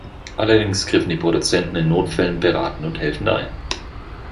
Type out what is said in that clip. Allerdings griffen die Produzenten in Notfällen beratend und helfend ein.